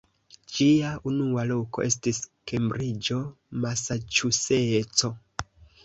Ĝia unua loko estis Kembriĝo, Masaĉuseco.